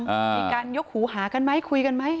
มีการยกหูหากันไหมคุยกันไหม